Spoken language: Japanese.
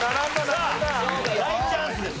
さあ大チャンスです。